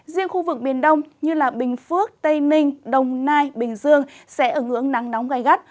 riêng khu vực biển đông như bình phước tây ninh đồng nai bình dương sẽ ứng ứng nắng nóng gai gắt